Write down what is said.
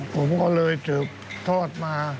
ผมก็เลยสืบทอดมา